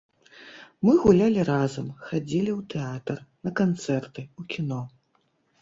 Мы гулялі разам, хадзілі ў тэатр, на канцэрты, у кіно.